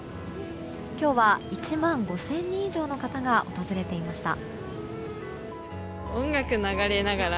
今日は１万５０００人以上の方が訪れていました。